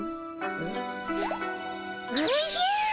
おじゃ！